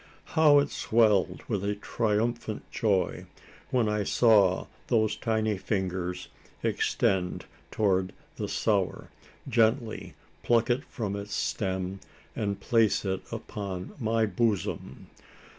How it swelled with a triumphant joy, when I saw those tiny fingers, extend towards the Sower, gently pluck it from its stem, and place it upon my bosom!